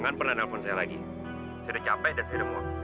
tapi apa yang terjadi